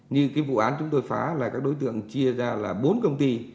như cái vụ án chúng tôi phá là các đối tượng chia ra là bốn công ty